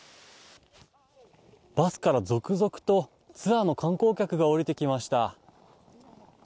バスから続々とツアーの観光客が降りてきました。